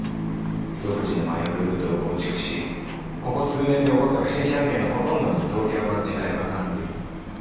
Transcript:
独自の麻薬ルートを構築しここ数年で起こった不審死案件のほとんどに東京卍會が絡んでいるとも。